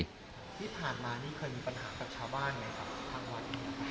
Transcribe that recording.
ที่ผ่านมานี่เคยมีปัญหากับชาวบ้านไหมครับทางวัดเนี่ยครับ